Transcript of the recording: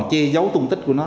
chê giấu tung tích của nó